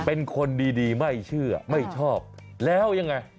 เป็นคนดีไม่เชื่อไม่ชอบแล้วยังไง